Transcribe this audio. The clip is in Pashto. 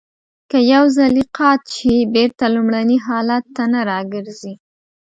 که یو ځلی قات شي بېرته لومړني حالت ته نه را گرځي.